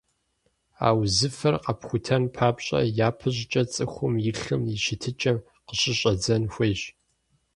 А узыфэр къэпхутэн папщӏэ, япэ щӏыкӏэ цӏыхум и лъым и щытыкӀэм къыщыщӀэдзэн хуейщ.